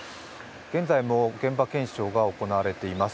現在も現場検証が行われています。